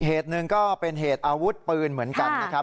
เหตุหนึ่งก็เป็นเหตุอาวุธปืนเหมือนกันนะครับ